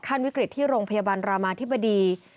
วิกฤตที่โรงพยาบาลรามาธิบดี